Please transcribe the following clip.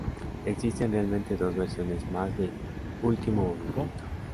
Existen realmente dos versiones más del último movimiento.